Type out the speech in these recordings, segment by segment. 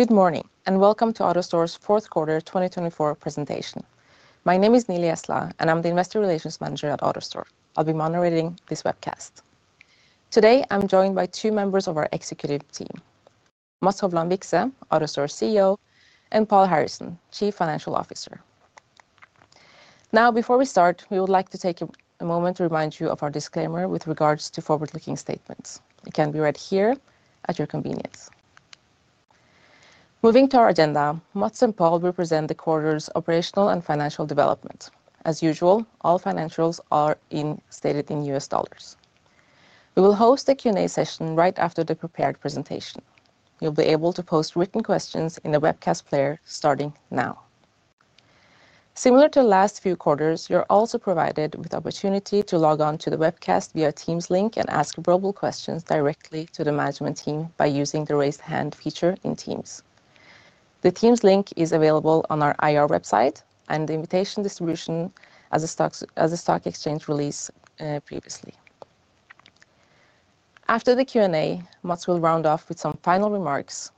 Good morning and welcome to AutoStore's fourth quarter 2024 presentation. My name is Nili Eslah, and I'm the Investor Relations Manager at AutoStore. I'll be moderating this webcast. Today, I'm joined by two members of our executive team: Mats Hovland Vikse, AutoStore CEO, and Paul Harrison, Chief Financial Officer. Now, before we start, we would like to take a moment to remind you of our disclaimer with regards to forward-looking statements. It can be read here at your convenience. Moving to our agenda, Mats and Paul will present the quarter's operational and financial development. As usual, all financials are stated in U.S. dollars. We will host a Q&A session right after the prepared presentation. You'll be able to post written questions in the webcast player starting now. Similar to the last few quarters, you're also provided with the opportunity to log on to the webcast via Teams link and ask verbal questions directly to the management team by using the raise hand feature in Teams. The Teams link is available on our IR website, and the invitation was distributed as a stock exchange release previously. After the Q&A, Mats will round off with some final remarks.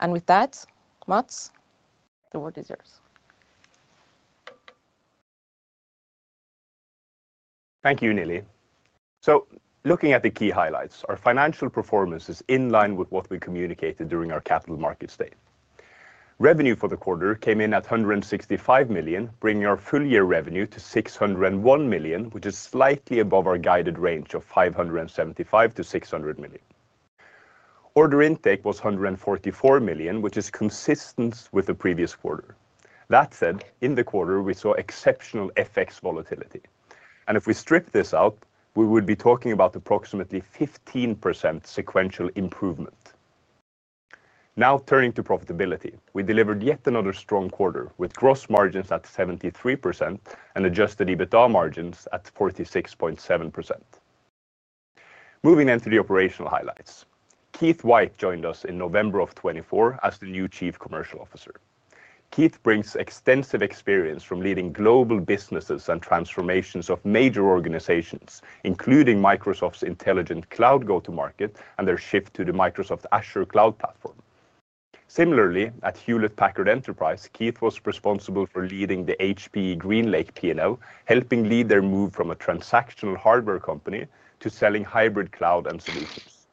And with that, Mats, the word is yours. Thank you, Nili. So, looking at the key highlights, our financial performance is in line with what we communicated during our capital market statement. Revenue for the quarter came in at $165 million, bringing our full year revenue to $601 million, which is slightly above our guided range of $575 million-$600 million. Order intake was $144 million, which is consistent with the previous quarter. That said, in the quarter, we saw exceptional FX volatility. And if we strip this out, we would be talking about approximately 15% sequential improvement. Now, turning to profitability, we delivered yet another strong quarter with gross margins at 73% and Adjusted EBITDA margins at 46.7%. Moving on to the operational highlights, Keith White joined us in November of 2024 as the new Chief Commercial Officer. Keith brings extensive experience from leading global businesses and transformations of major organizations, including Microsoft's Intelligent Cloud go-to-market and their shift to the Microsoft Azure Cloud Platform. Similarly, at Hewlett-Packard Enterprise, Keith was responsible for leading the HPE GreenLake P&L, helping lead their move from a transactional hardware company to selling hybrid cloud and solutions.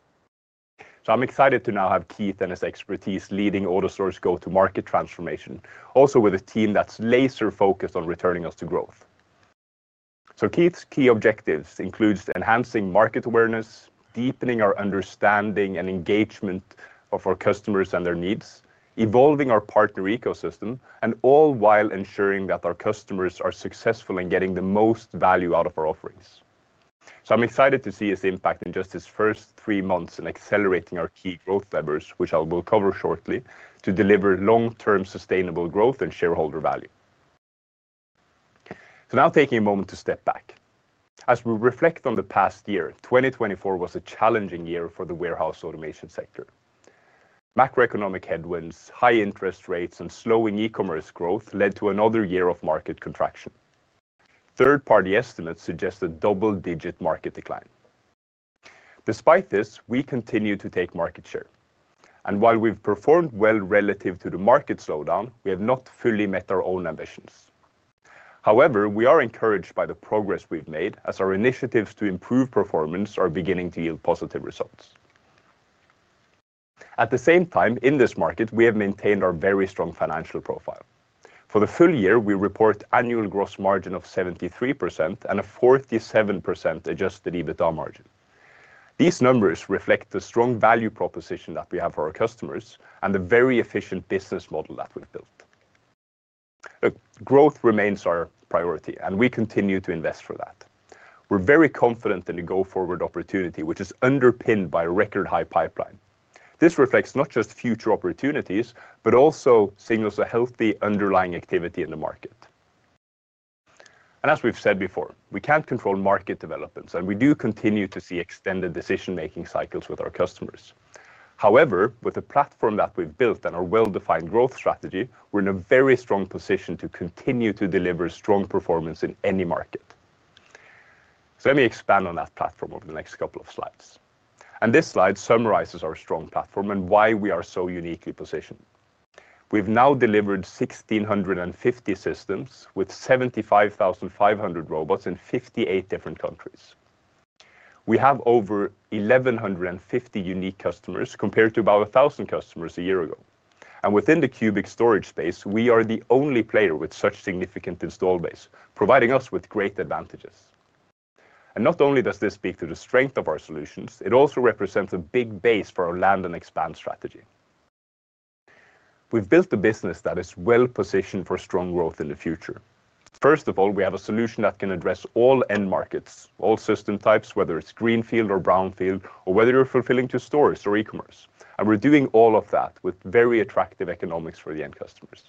So, I'm excited to now have Keith and his expertise leading AutoStore's go-to-market transformation, also with a team that's laser-focused on returning us to growth. So, Keith's key objectives include enhancing market awareness, deepening our understanding and engagement of our customers and their needs, evolving our partner ecosystem, and all while ensuring that our customers are successful in getting the most value out of our offerings. I'm excited to see his impact in just his first three months in accelerating our key growth levers, which I will cover shortly, to deliver long-term sustainable growth and shareholder value. Now taking a moment to step back. As we reflect on the past year, 2024 was a challenging year for the warehouse automation sector. Macroeconomic headwinds, high interest rates, and slowing e-commerce growth led to another year of market contraction. Third-party estimates suggest a double-digit market decline. Despite this, we continue to take market share. While we've performed well relative to the market slowdown, we have not fully met our own ambitions. However, we are encouraged by the progress we've made, as our initiatives to improve performance are beginning to yield positive results. At the same time, in this market, we have maintained our very strong financial profile. For the full year, we report annual gross margin of 73% and a 47% Adjusted EBITDA margin. These numbers reflect the strong value proposition that we have for our customers and the very efficient business model that we've built. Growth remains our priority, and we continue to invest for that. We're very confident in the go-forward opportunity, which is underpinned by a record-high pipeline. This reflects not just future opportunities, but also signals a healthy underlying activity in the market. And as we've said before, we can't control market developments, and we do continue to see extended decision-making cycles with our customers. However, with the platform that we've built and our well-defined growth strategy, we're in a very strong position to continue to deliver strong performance in any market. So, let me expand on that platform over the next couple of slides. And this slide summarizes our strong platform and why we are so uniquely positioned. We've now delivered 1,650 systems with 75,500 robots in 58 different countries. We have over 1,150 unique customers compared to about 1,000 customers a year ago. And within the cube storage space, we are the only player with such significant installed base, providing us with great advantages. And not only does this speak to the strength of our solutions, it also represents a big base for our land and expand strategy. We've built a business that is well-positioned for strong growth in the future. First of all, we have a solution that can address all end markets, all system types, whether it's greenfield or brownfield, or whether you're fulfilling to stores or e-commerce. And we're doing all of that with very attractive economics for the end customers.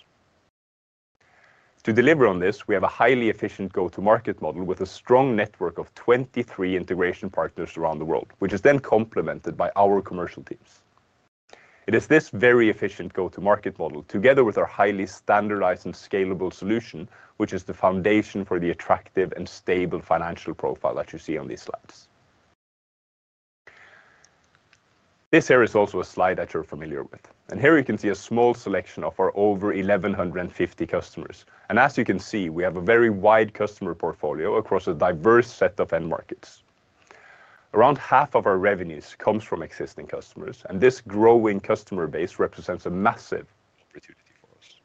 To deliver on this, we have a highly efficient go-to-market model with a strong network of 23 integration partners around the world, which is then complemented by our commercial teams. It is this very efficient go-to-market model, together with our highly standardized and scalable solution, which is the foundation for the attractive and stable financial profile that you see on these slides. This here is also a slide that you're familiar with, and here you can see a small selection of our over 1,150 customers, and as you can see, we have a very wide customer portfolio across a diverse set of end markets. Around half of our revenues comes from existing customers, and this growing customer base represents a massive opportunity for us.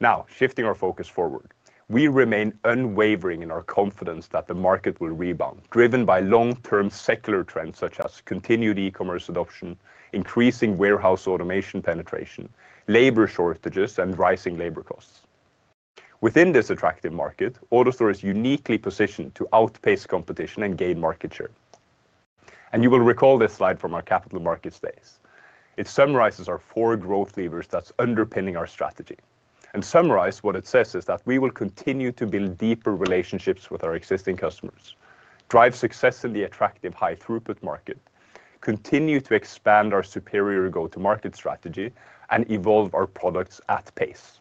Now, shifting our focus forward, we remain unwavering in our confidence that the market will rebound, driven by long-term secular trends such as continued e-commerce adoption, increasing warehouse automation penetration, labor shortages, and rising labor costs. Within this attractive market, AutoStore is uniquely positioned to outpace competition and gain market share. And you will recall this slide from our capital markets days. It summarizes our four growth levers that's underpinning our strategy. And summarized, what it says is that we will continue to build deeper relationships with our existing customers, drive success in the attractive high-throughput market, continue to expand our superior go-to-market strategy, and evolve our products at pace.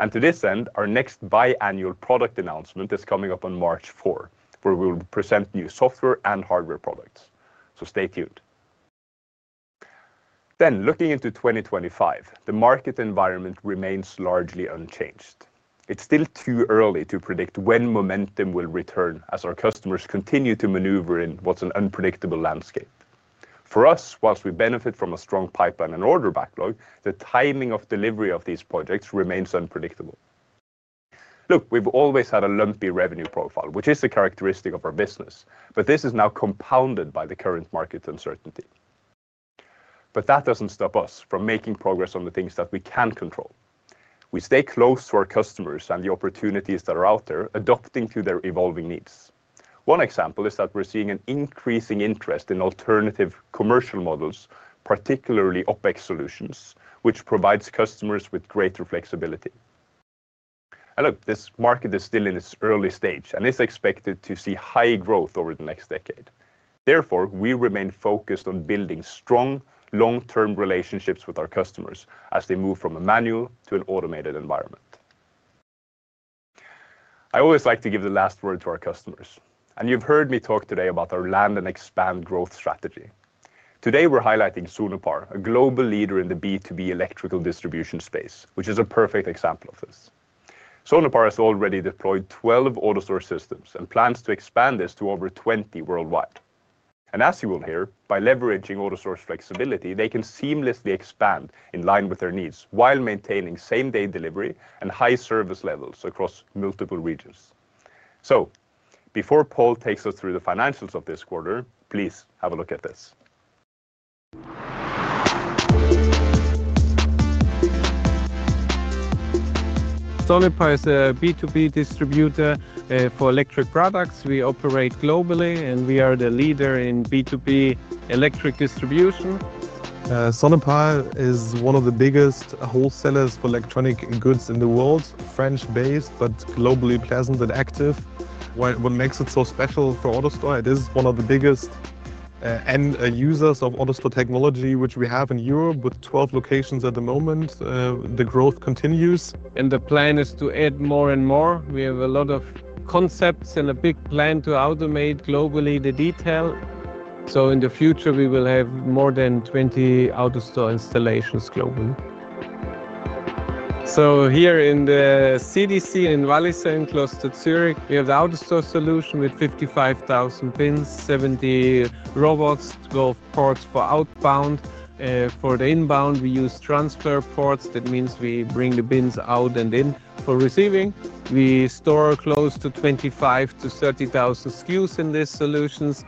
And to this end, our next biannual product announcement is coming up on March 4, where we will present new software and hardware products. So, stay tuned. Then, looking into 2025, the market environment remains largely unchanged. It's still too early to predict when momentum will return as our customers continue to maneuver in what's an unpredictable landscape. For us, while we benefit from a strong pipeline and order backlog, the timing of delivery of these projects remains unpredictable. Look, we've always had a lumpy revenue profile, which is a characteristic of our business, but this is now compounded by the current market uncertainty. But that doesn't stop us from making progress on the things that we can control. We stay close to our customers and the opportunities that are out there, adapting to their evolving needs. One example is that we're seeing an increasing interest in alternative commercial models, particularly OPEX Solutions, which provide customers with greater flexibility. And look, this market is still in its early stage, and it's expected to see high growth over the next decade. Therefore, we remain focused on building strong long-term relationships with our customers as they move from a manual to an automated environment. I always like to give the last word to our customers. And you've heard me talk today about our land and expand growth strategy. Today, we're highlighting Sonepar, a global leader in the B2B electrical distribution space, which is a perfect example of this. Sonepar has already deployed 12 AutoStore systems and plans to expand this to over 20 worldwide. And as you will hear, by leveraging AutoStore's flexibility, they can seamlessly expand in line with their needs while maintaining same-day delivery and high service levels across multiple regions. So, before Paul takes us through the financials of this quarter, please have a look at this. Sonepar is a B2B distributor for electrical products. We operate globally, and we are the leader in B2B electrical distribution. Sonepar is one of the biggest wholesalers for electronic goods in the world, French-based, but globally present and active. What makes it so special for AutoStore? It is one of the biggest end users of AutoStore technology, which we have in Europe with 12 locations at the moment. The growth continues. The plan is to add more and more. We have a lot of concepts and a big plan to automate globally the detail. So, in the future, we will have more than 20 AutoStore installations globally. So, here in the CDC in Wallisellen, close to Zurich, we have the AutoStore solution with 55,000 bins, 70 robots, 12 ports for outbound. For the inbound, we use transfer ports. That means we bring the bins out and in for receiving. We store close to 25,000-30,000 SKUs in these solutions.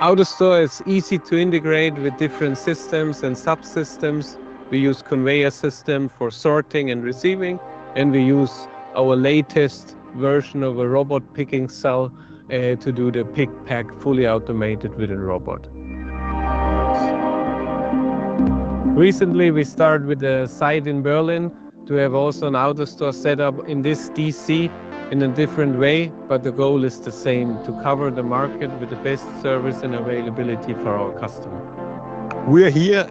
AutoStore is easy to integrate with different systems and subsystems. We use a conveyor system for sorting and receiving, and we use our latest version of a robot picking cell to do the pick-pack fully automated with a robot. Recently, we started with a site in Berlin to have also an AutoStore setup in this DC in a different way, but the goal is the same: to cover the market with the best service and availability for our customers. We are here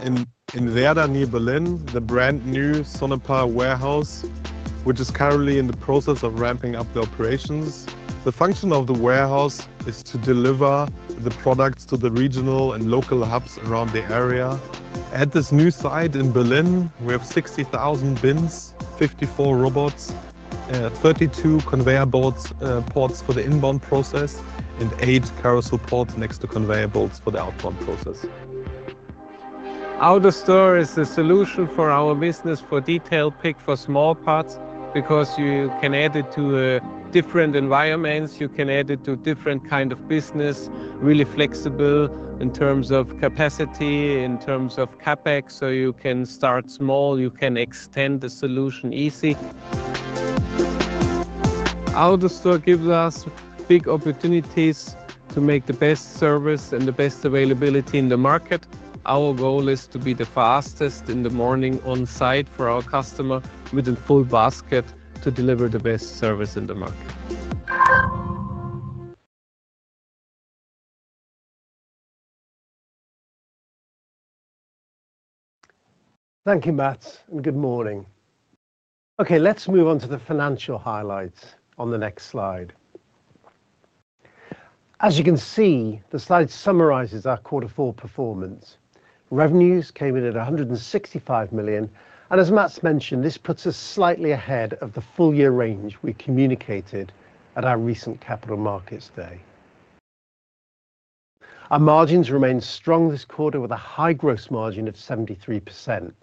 in Werder near Berlin, the brand new Sonepar warehouse, which is currently in the process of ramping up the operations. The function of the warehouse is to deliver the products to the regional and local hubs around the area. At this new site in Berlin, we have 60,000 bins, 54 robots, 32 ConveyorPorts for the inbound process, and eight CarouselPorts next to conveyor belts for the outbound process. AutoStore is the solution for our business for detail pick for small parts because you can add it to different environments. You can add it to different kinds of business, really flexible in terms of capacity, in terms of CAPEX. So, you can start small. You can extend the solution easy. AutoStore gives us big opportunities to make the best service and the best availability in the market. Our goal is to be the fastest in the morning on site for our customer with a full basket to deliver the best service in the market. Thank you, Mats, and good morning. Okay, let's move on to the financial highlights on the next slide. As you can see, the slide summarizes our quarter four performance. Revenues came in at $165 million, and as Mats mentioned, this puts us slightly ahead of the full-year range we communicated at our recent capital markets day. Our margins remain strong this quarter with a high gross margin of 73%.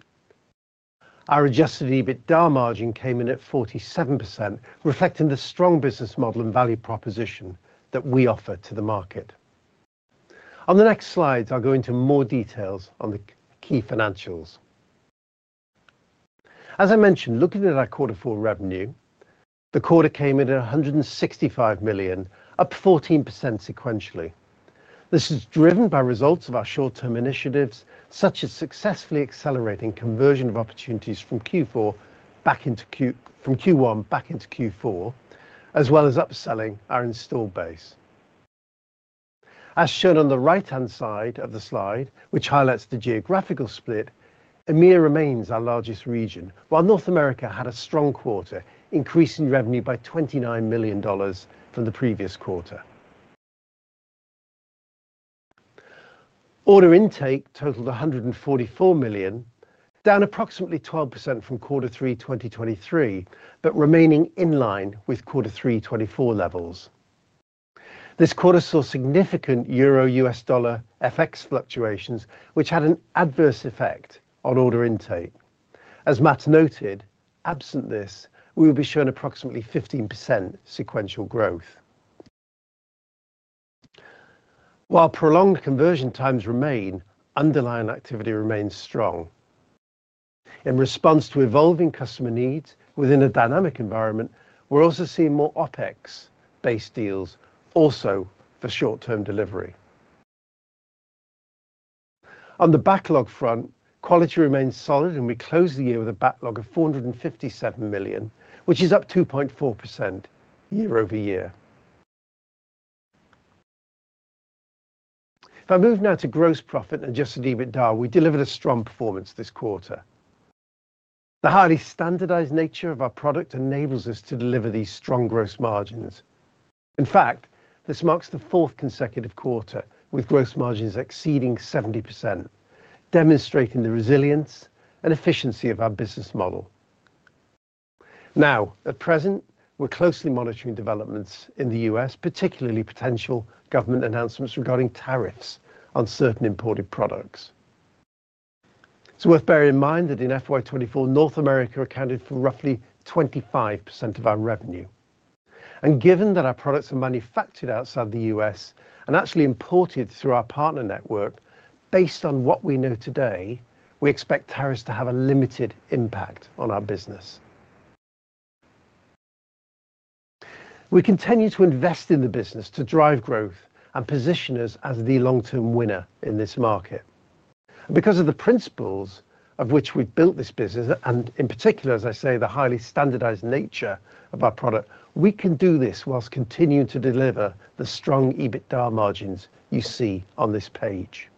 Our Adjusted EBITDA margin came in at 47%, reflecting the strong business model and value proposition that we offer to the market. On the next slides, I'll go into more details on the key financials. As I mentioned, looking at our quarter four revenue, the quarter came in at $165 million, up 14% sequentially. This is driven by results of our short-term initiatives, such as successfully accelerating conversion of opportunities from Q4 back into Q1, back into Q4, as well as upselling our installed base. As shown on the right-hand side of the slide, which highlights the geographical split, EMEA remains our largest region, while North America had a strong quarter, increasing revenue by $29 million from the previous quarter. Order intake totaled $144 million, down approximately 12% from quarter three 2023, but remaining in line with quarter three 2024 levels. This quarter saw significant euro/US dollar FX fluctuations, which had an adverse effect on order intake. As Mats noted, absent this, we will be showing approximately 15% sequential growth. While prolonged conversion times remain, underlying activity remains strong. In response to evolving customer needs within a dynamic environment, we're also seeing more OPEX-based deals, also for short-term delivery. On the backlog front, quality remains solid, and we closed the year with a backlog of $457 million, which is up 2.4% year over year. If I move now to gross profit and Adjusted EBITDA, we delivered a strong performance this quarter. The highly standardized nature of our product enables us to deliver these strong gross margins. In fact, this marks the fourth consecutive quarter with gross margins exceeding 70%, demonstrating the resilience and efficiency of our business model. Now, at present, we're closely monitoring developments in the U.S., particularly potential government announcements regarding tariffs on certain imported products. It's worth bearing in mind that in FY2024, North America accounted for roughly 25% of our revenue, and given that our products are manufactured outside the US and actually imported through our partner network, based on what we know today, we expect tariffs to have a limited impact on our business. We continue to invest in the business to drive growth and position us as the long-term winner in this market. Because of the principles of which we've built this business, and in particular, as I say, the highly standardized nature of our product, we can do this while continuing to deliver the strong EBITDA margins you see on this page.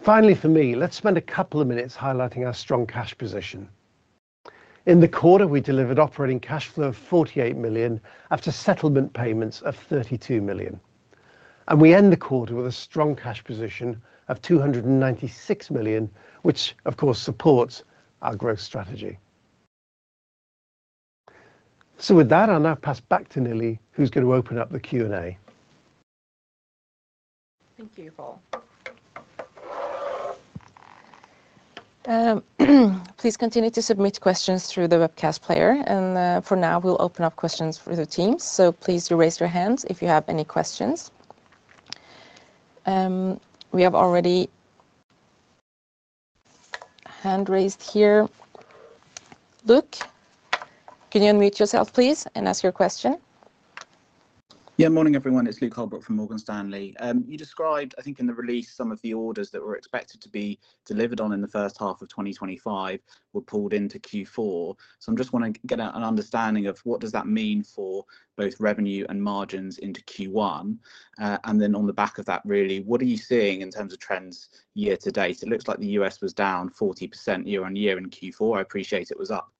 Finally, for me, let's spend a couple of minutes highlighting our strong cash position. In the quarter, we delivered operating cash flow of $48 million after settlement payments of $32 million. And we end the quarter with a strong cash position of $296 million, which, of course, supports our growth strategy. So, with that, I'll now pass back to Nili, who's going to open up the Q&A. Thank you, Paul. Please continue to submit questions through the webcast player. And for now, we'll open up questions for the teams. So, please raise your hands if you have any questions. We have already hands raised here. Luke, can you unmute yourself, please, and ask your question? Yeah, morning, everyone. It's Luke Holbrook from Morgan Stanley. You described, I think, in the release, some of the orders that were expected to be delivered on in the first half of 2025 were pulled into Q4. So, I'm just wanting to get an understanding of what does that mean for both revenue and margins into Q1. And then, on the back of that, really, what are you seeing in terms of trends year to date? It looks like the U.S. was down 40% year on year in Q4. I appreciate it was up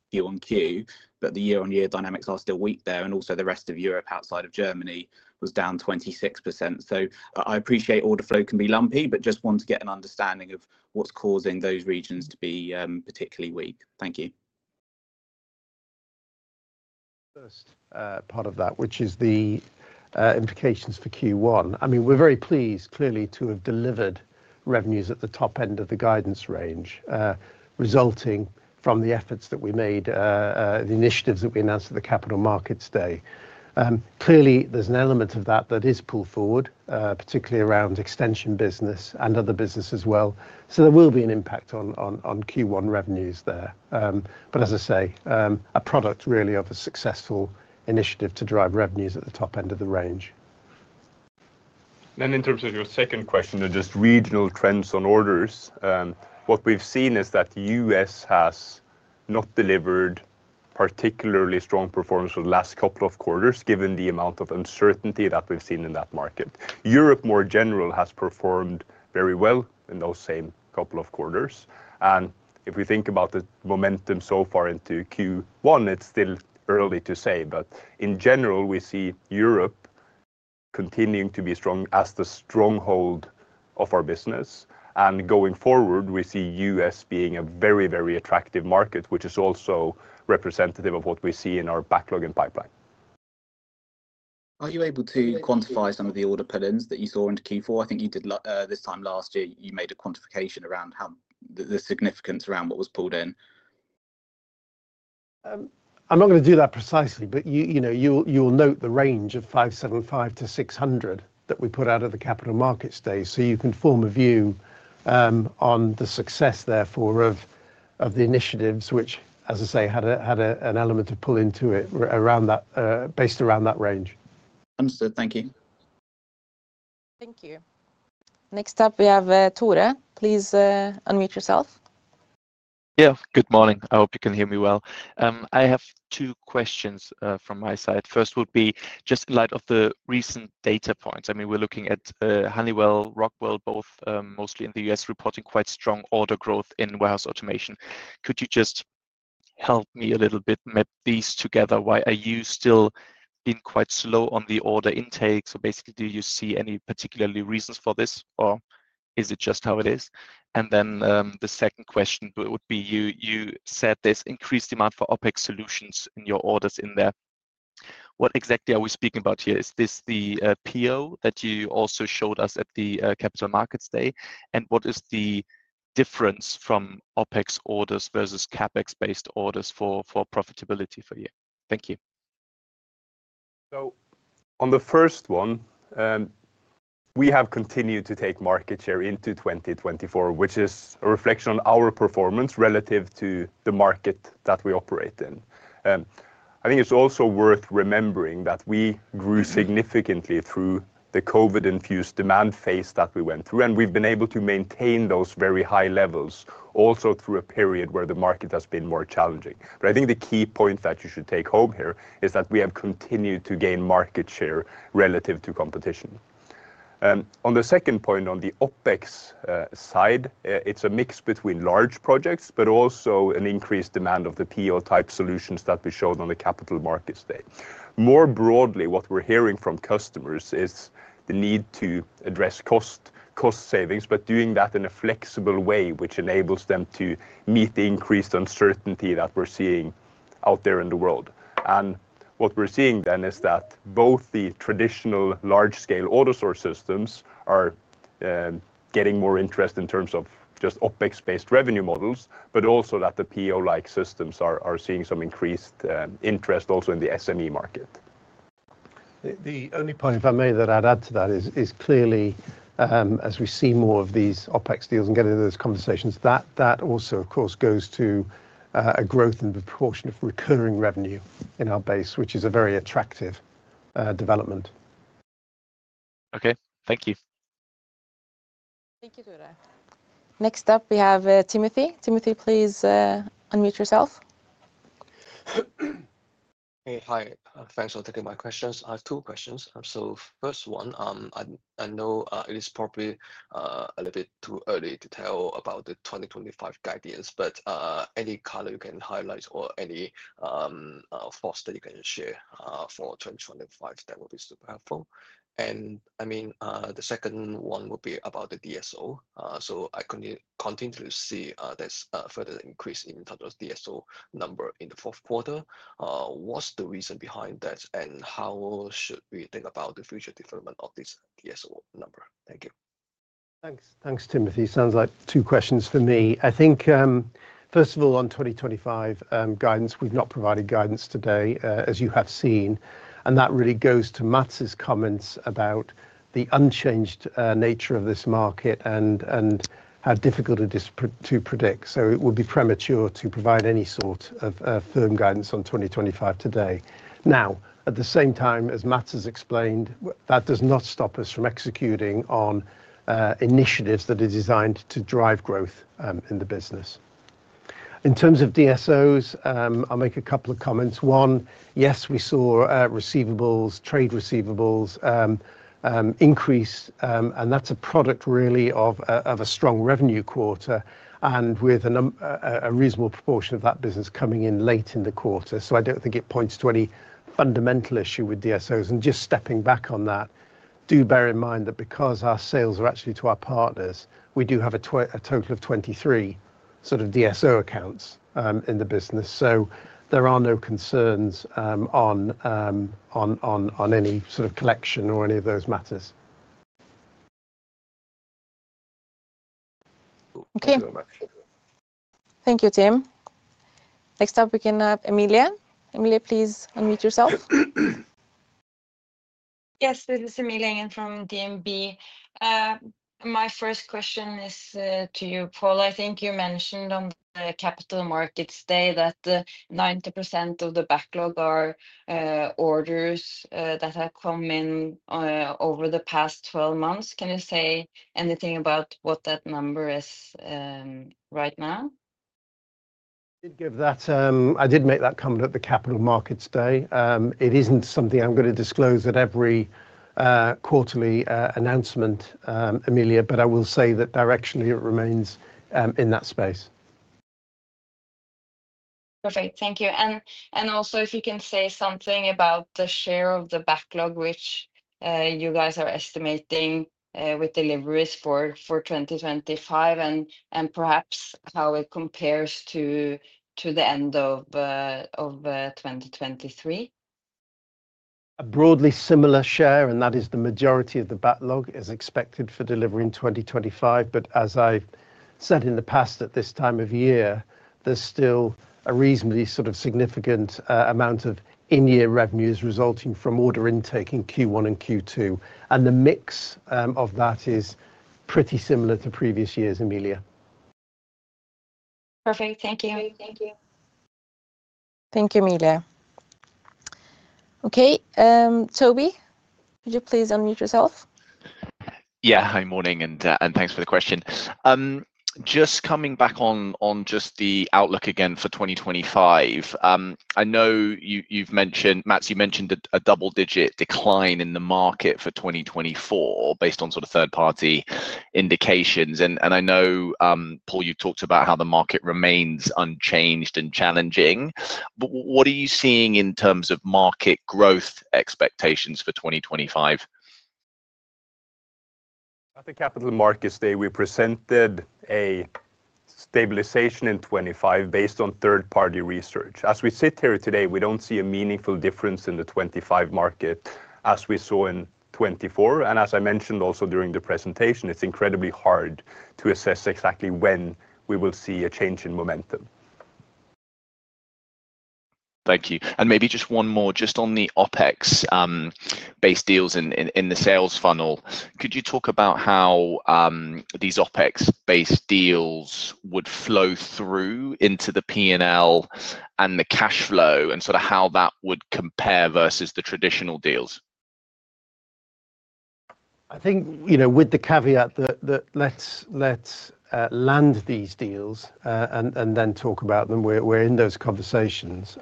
year on Q, but the year-on-year dynamics are still weak there. And also, the rest of Europe outside of Germany was down 26%. So, I appreciate order flow can be lumpy, but just want to get an understanding of what's causing those regions to be particularly weak. Thank you. First part of that, which is the implications for Q1. I mean, we're very pleased, clearly, to have delivered revenues at the top end of the guidance range, resulting from the efforts that we made, the initiatives that we announced at the capital markets day. Clearly, there's an element of that that is pulled forward, particularly around extension business and other business as well. So, there will be an impact on Q1 revenues there. But, as I say, a product really of a successful initiative to drive revenues at the top end of the range. Then, in terms of your second question, just regional trends on orders, what we've seen is that the U.S. has not delivered particularly strong performance for the last couple of quarters, given the amount of uncertainty that we've seen in that market. Europe, more generally, has performed very well in those same couple of quarters. And if we think about the momentum so far into Q1, it's still early to say. But, in general, we see Europe continuing to be strong as the stronghold of our business. And going forward, we see the U.S. being a very, very attractive market, which is also representative of what we see in our backlog and pipeline. Are you able to quantify some of the order pull-ins that you saw into Q4? I think you did this time last year. You made a quantification around the significance around what was pulled in. I'm not going to do that precisely, but you will note the range of 575-600 that we put out of the capital markets day. So, you can form a view on the success therefore of the initiatives, which, as I say, had an element of pull into it based around that range. Understood. Thank you. Thank you. Next up, we have Tore. Please unmute yourself. Yeah, good morning. I hope you can hear me well. I have two questions from my side. First would be just in light of the recent data points. I mean, we're looking at Honeywell, Rockwell, both mostly in the U.S., reporting quite strong order growth in warehouse automation. Could you just help me a little bit map these together? Why are you still being quite slow on the order intake? So, basically, do you see any particular reasons for this, or is it just how it is? And then the second question would be, you said there's increased demand for OPEX Solutions in your orders in there. What exactly are we speaking about here? Is this the PO that you also showed us at the capital markets day? And what is the difference from OPEX orders versus CAPEX-based orders for profitability for you? Thank you. On the first one, we have continued to take market share into 2024, which is a reflection on our performance relative to the market that we operate in. I think it's also worth remembering that we grew significantly through the COVID-infused demand phase that we went through, and we've been able to maintain those very high levels also through a period where the market has been more challenging. I think the key point that you should take home here is that we have continued to gain market share relative to competition. On the second point, on the OPEX side, it's a mix between large projects, but also an increased demand of the PO-type solutions that we showed on the Capital Markets Day. More broadly, what we're hearing from customers is the need to address cost savings, but doing that in a flexible way, which enables them to meet the increased uncertainty that we're seeing out there in the world, and what we're seeing then is that both the traditional large-scale ASRS are getting more interest in terms of just OPEX-based revenue models, but also that the PO-like systems are seeing some increased interest also in the SME market. The only point, if I may, that I'd add to that is clearly, as we see more of these OPEX deals and get into those conversations, that that also, of course, goes to a growth in the proportion of recurring revenue in our base, which is a very attractive development. Okay, thank you. Thank you, Tore. Next up, we have Timothy. Timothy, please unmute yourself. Hey, hi. Thanks for taking my questions. I have two questions. So, first one, I know it is probably a little bit too early to tell about the 2025 guidance, but any color you can highlight or any thoughts that you can share for 2025, that would be super helpful. And I mean, the second one would be about the DSO. So, I continue to see there's a further increase in terms of DSO number in the fourth quarter. What's the reason behind that, and how should we think about the future development of this DSO number? Thank you. Thanks, Timothy. Sounds like two questions for me. I think, first of all, on 2025 guidance, we've not provided guidance today, as you have seen, and that really goes to Mats' comments about the unchanged nature of this market and how difficult it is to predict, so it would be premature to provide any sort of firm guidance on 2025 today. Now, at the same time, as Mats has explained, that does not stop us from executing on initiatives that are designed to drive growth in the business. In terms of DSOs, I'll make a couple of comments. One, yes, we saw receivables, trade receivables increase, and that's a product really of a strong revenue quarter, and with a reasonable proportion of that business coming in late in the quarter, so I don't think it points to any fundamental issue with DSOs. And just stepping back on that, do bear in mind that because our sales are actually to our partners, we do have a total of 23 sort of DSO accounts in the business. So, there are no concerns on any sort of collection or any of those matters. Okay. Thank you, Tim. Next up, we can have Emilia. Emilia, please unmute yourself. Yes, this is Emilia again from DNB. My first question is to you, Paul. I think you mentioned on the Capital Markets Day that 90% of the backlog are orders that have come in over the past 12 months. Can you say anything about what that number is right now? I did make that comment at the capital markets day. It isn't something I'm going to disclose at every quarterly announcement, Emilia, but I will say that directionally it remains in that space. Perfect. Thank you. And also, if you can say something about the share of the backlog, which you guys are estimating with deliveries for 2025, and perhaps how it compares to the end of 2023. A broadly similar share, and that is the majority of the backlog, is expected for delivery in 2025. But, as I've said in the past at this time of year, there's still a reasonably sort of significant amount of in-year revenues resulting from order intake in Q1 and Q2. And the mix of that is pretty similar to previous years, Emilia. Perfect. Thank you. Thank you, Emilia. Okay. Toby, could you please unmute yourself? Yeah, hi, morning, and thanks for the question. Just coming back on just the outlook again for 2025. I know you've mentioned, Mats, you mentioned a double-digit decline in the market for 2024 based on sort of third-party indications. I know, Paul, you talked about how the market remains unchanged and challenging. What are you seeing in terms of market growth expectations for 2025? At the capital markets day, we presented a stabilization in 2025 based on third-party research. As we sit here today, we don't see a meaningful difference in the 2025 market as we saw in 2024. And, as I mentioned also during the presentation, it's incredibly hard to assess exactly when we will see a change in momentum. Thank you. And maybe just one more, just on the OPEX-based deals in the sales funnel, could you talk about how these OPEX-based deals would flow through into the P&L and the cash flow, and sort of how that would compare versus the traditional deals? I think with the caveat that let's land these deals and then talk about them. We're in those conversations.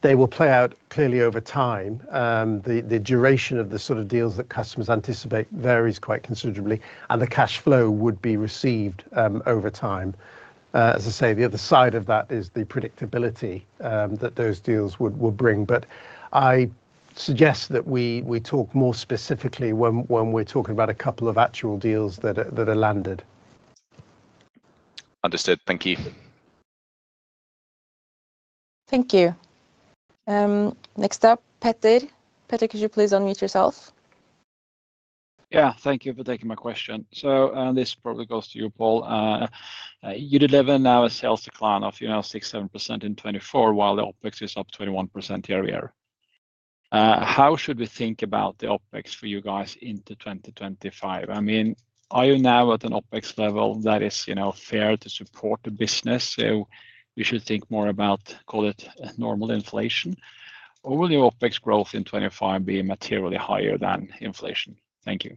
They will play out clearly over time. The duration of the sort of deals that customers anticipate varies quite considerably, and the cash flow would be received over time. As I say, the other side of that is the predictability that those deals will bring. But I suggest that we talk more specifically when we're talking about a couple of actual deals that are landed. Understood. Thank you. Thank you. Next up, Peter. Peter, could you please unmute yourself? Yeah, thank you for taking my question. So, and this probably goes to you, Paul. You deliver now a sales decline of 6%-7% in 2024, while the OPEX is up 21% year-to-year. How should we think about the OPEX for you guys into 2025? I mean, are you now at an OPEX level that is fair to support the business? So, we should think more about, call it, normal inflation. Or will your OPEX growth in 2025 be materially higher than inflation? Thank you.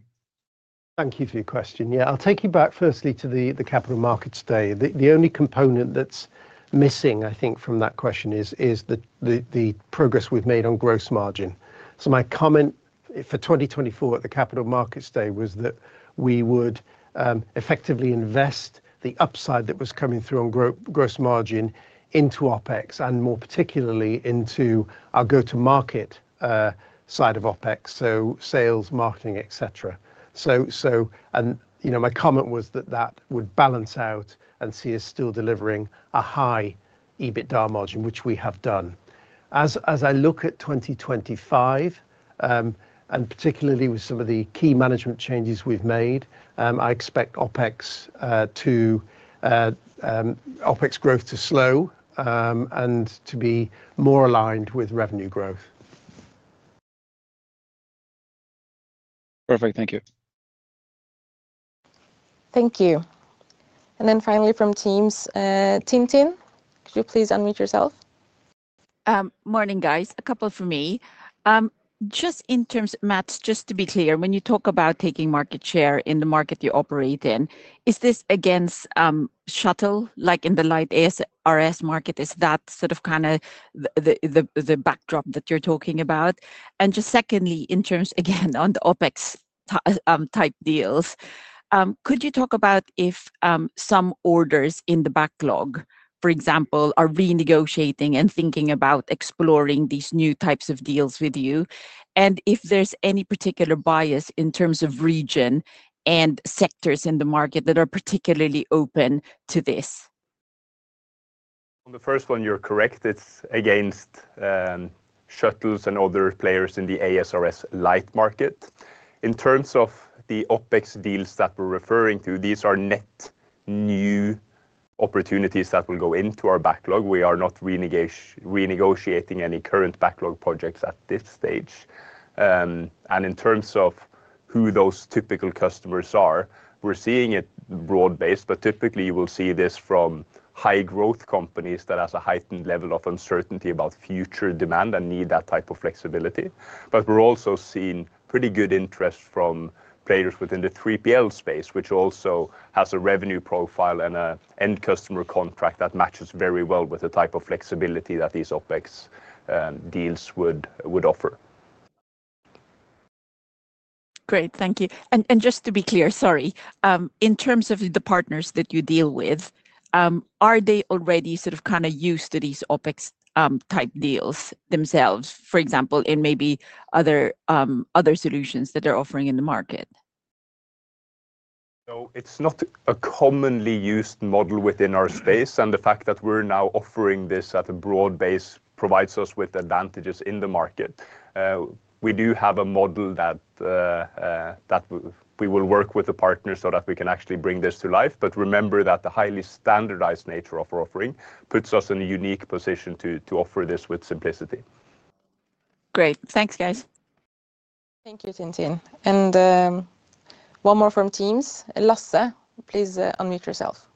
Thank you for your question. Yeah, I'll take you back firstly to the capital markets day. The only component that's missing, I think, from that question is the progress we've made on gross margin. So, my comment for 2024 at the capital markets day was that we would effectively invest the upside that was coming through on gross margin into OPEX, and more particularly into our go-to-market side of OPEX, so sales, marketing, etc. So, and my comment was that that would balance out and see us still delivering a high EBITDA margin, which we have done. As I look at 2025, and particularly with some of the key management changes we've made, I expect OPEX growth to slow and to be more aligned with revenue growth. Perfect. Thank you. Thank you. And then finally from Teams, Tintin, could you please unmute yourself? Morning, guys. A couple for me. Just in terms of Mats, just to be clear, when you talk about taking market share in the market you operate in, is this against shuttle, like in the light ASRS market? Is that sort of kind of the backdrop that you're talking about? And just secondly, in terms, again, on the OPEX-type deals, could you talk about if some orders in the backlog, for example, are renegotiating and thinking about exploring these new types of deals with you? And if there's any particular bias in terms of region and sectors in the market that are particularly open to this? On the first one, you're correct. It's against shuttles and other players in the ASRS light market. In terms of the OPEX deals that we're referring to, these are net new opportunities that will go into our backlog. We are not renegotiating any current backlog projects at this stage, and in terms of who those typical customers are, we're seeing it broad-based, but typically, you will see this from high-growth companies that have a heightened level of uncertainty about future demand and need that type of flexibility, but we're also seeing pretty good interest from players within the 3PL space, which also has a revenue profile and an end customer contract that matches very well with the type of flexibility that these OPEX deals would offer. Great. Thank you. And just to be clear, sorry, in terms of the partners that you deal with, are they already sort of kind of used to these OPEX-type deals themselves, for example, in maybe other solutions that they're offering in the market? So, it's not a commonly used model within our space, and the fact that we're now offering this at a broad base provides us with advantages in the market. We do have a model that we will work with the partners so that we can actually bring this to life. But remember that the highly standardized nature of our offering puts us in a unique position to offer this with simplicity. Great. Thanks, guys. Thank you, Tintin. And one more from Teams. Lasse, please unmute yourself.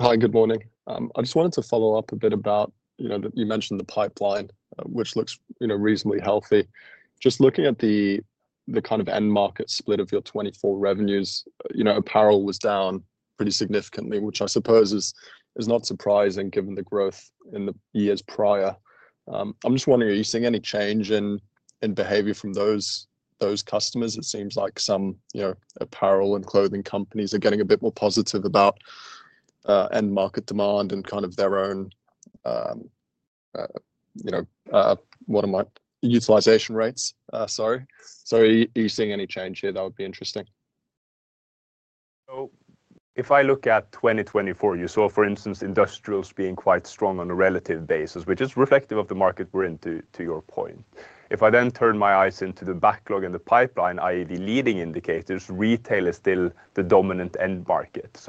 Hi, good morning. I just wanted to follow up a bit about you mentioned the pipeline, which looks reasonably healthy. Just looking at the kind of end market split of your 2024 revenues, Apparel was down pretty significantly, which I suppose is not surprising given the growth in the years prior. I'm just wondering, are you seeing any change in behavior from those customers? It seems like some Apparel and clothing companies are getting a bit more positive about end market demand and kind of their own utilization rates. Sorry. So, are you seeing any change here? That would be interesting. If I look at 2024, you saw, for instance, industrials being quite strong on a relative basis, which is reflective of the market we're in, to your point. If I then turn my eyes into the backlog and the pipeline, i.e., the leading indicators, retail is still the dominant end market.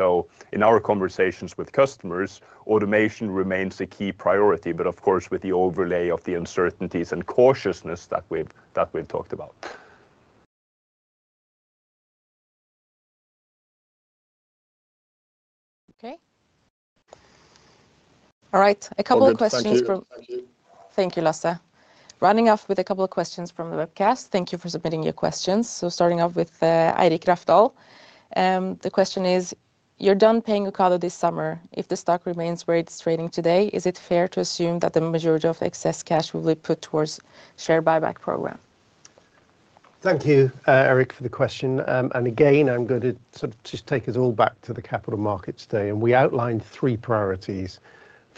In our conversations with customers, automation remains a key priority, but of course, with the overlay of the uncertainties and cautiousness that we've talked about. Okay. All right. A couple of questions from. Thank you. Thank you, Lasse. Running off with a couple of questions from the webcast. Thank you for submitting your questions. So, starting off with Eirik Rafdal. The question is, you're done paying Ocado this summer. If the stock remains where it's trading today, is it fair to assume that the majority of excess cash will be put towards share buyback program? Thank you, Eirik, for the question. And again, I'm going to sort of just take us all back to the capital markets day. And we outlined three priorities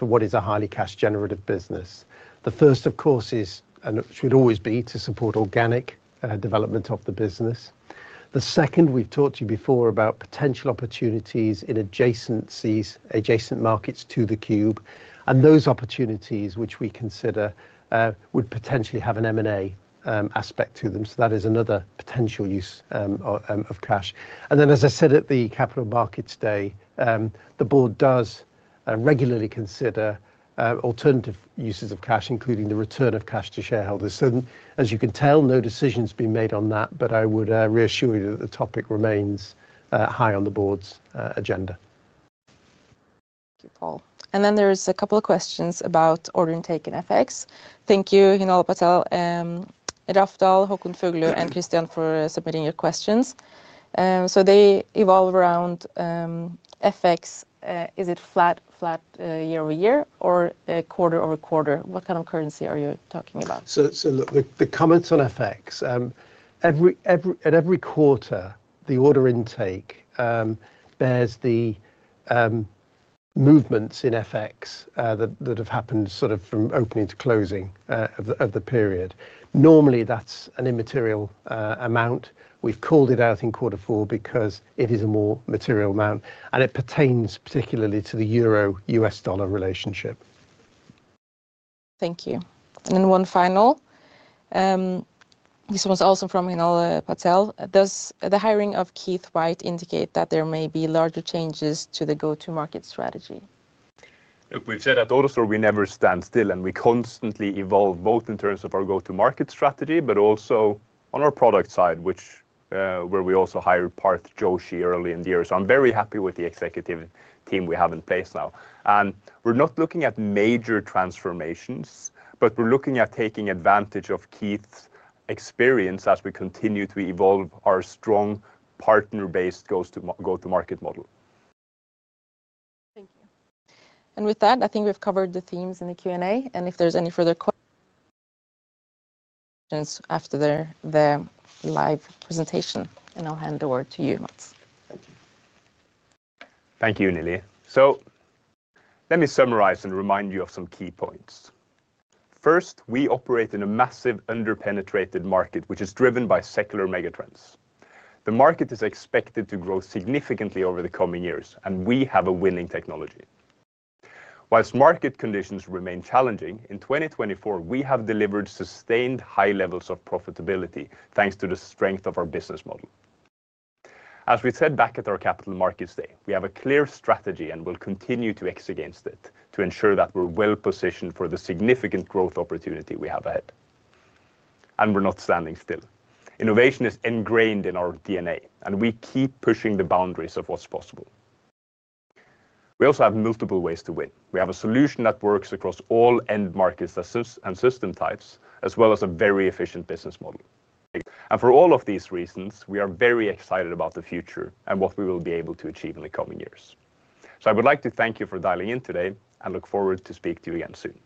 for what is a highly cash-generative business. The first, of course, is, and should always be, to support organic development of the business. The second, we've talked to you before about potential opportunities in adjacent markets to the Cube. And those opportunities, which we consider, would potentially have an M&A aspect to them. So, that is another potential use of cash. And then, as I said at the capital markets day, the board does regularly consider alternative uses of cash, including the return of cash to shareholders. So, as you can tell, no decision has been made on that, but I would reassure you that the topic remains high on the board's agenda. Thank you, Paul. And then there's a couple of questions about order intake in FX. Thank you, Hinal Patel, Eirik Rafdal, Håkon Fuglu, and Christian for submitting your questions. So, they evolve around FX. Is it flat, flat year over year, or quarter over quarter? What kind of currency are you talking about? So, look, the comments on FX, at every quarter, the order intake bears the movements in FX that have happened sort of from opening to closing of the period. Normally, that's an immaterial amount. We've called it out in quarter four because it is a more material amount. And it pertains particularly to the euro-U.S. dollar relationship. Thank you. And then one final. This one's also from Hinal Patel. Does the hiring of Keith White indicate that there may be larger changes to the go-to-market strategy? Look, we've said at AutoStore, we never stand still, and we constantly evolve both in terms of our go-to-market strategy, but also on our product side, where we also hired Parth Joshi early in the year. So, I'm very happy with the executive team we have in place now. And we're not looking at major transformations, but we're looking at taking advantage of Keith's experience as we continue to evolve our strong partner-based go-to-market model. Thank you. And with that, I think we've covered the themes in the Q&A. And if there's any further questions after the live presentation, and I'll hand the word to you, Mats. Thank you. Thank you, Nili. So, let me summarize and remind you of some key points. First, we operate in a massive underpenetrated market, which is driven by secular megatrends. The market is expected to grow significantly over the coming years, and we have a winning technology. Whilst market conditions remain challenging, in 2024, we have delivered sustained high levels of profitability thanks to the strength of our business model. As we said back at our capital markets day, we have a clear strategy and will continue to execute against it to ensure that we're well-positioned for the significant growth opportunity we have ahead. And we're not standing still. Innovation is ingrained in our DNA, and we keep pushing the boundaries of what's possible. We also have multiple ways to win. We have a solution that works across all end markets and system types, as well as a very efficient business model. And for all of these reasons, we are very excited about the future and what we will be able to achieve in the coming years. So, I would like to thank you for dialing in today and look forward to speaking to you again soon.